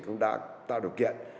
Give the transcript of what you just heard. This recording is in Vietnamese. cũng đã tạo điều kiện